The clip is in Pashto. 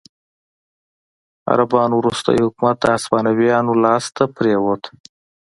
عربانو وروستی حکومت د هسپانویانو لاسته پرېوت.